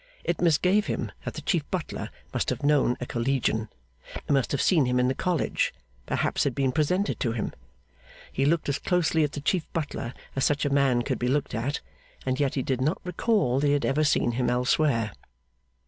It misgave him that the Chief Butler must have known a Collegian, and must have seen him in the College perhaps had been presented to him. He looked as closely at the Chief Butler as such a man could be looked at, and yet he did not recall that he had ever seen him elsewhere.